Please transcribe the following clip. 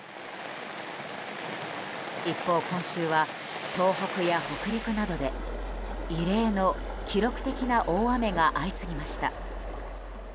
一方、今週は東北や北陸などで異例の記録的な大雨が相次ぎました。